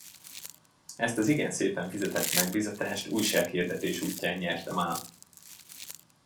Ezt az igen szépen fizetett megbízatást újsághirdetés útján nyertem el.